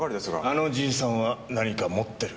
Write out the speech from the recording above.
あのじいさんは何か持ってる。